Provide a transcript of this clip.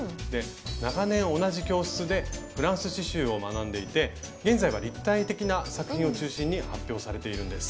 長年同じ教室でフランス刺しゅうを学んでいて現在は立体的な作品を中心に発表されているんです。